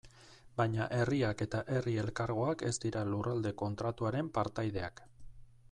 Baina herriak eta herri elkargoak ez dira Lurralde Kontratuaren partaideak.